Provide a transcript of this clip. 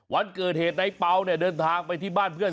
วันเกิดเหตุในเปล่าเนี่ยเดินทางไปที่บ้านเพื่อน